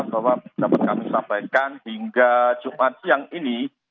bahwa dapat kami sampaikan hingga jumat siang ini